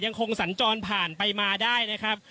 คงสัญจรผ่านไปมาได้นะครับ